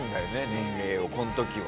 年齢をこの時は。